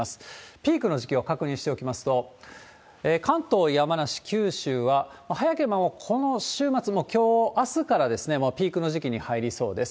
ピークの時期を確認しておきますと、関東、山梨、九州は、早ければこの週末、きょう、あすから、もうピークの時期に入りそうです。